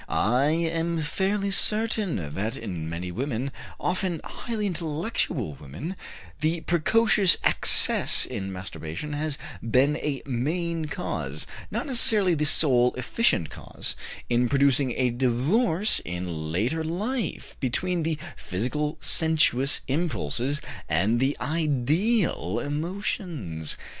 I am fairly certain that in many women, often highly intellectual women, the precocious excess in masturbation has been a main cause, not necessarily the sole efficient cause, in producing a divorce in later life between the physical sensuous impulses and the ideal emotions.